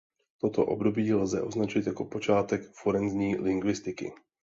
Toto období lze označit jako počátek forenzní lingvistiky.